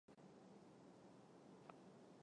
昭和天皇依立宪君主惯例不直接公开发言。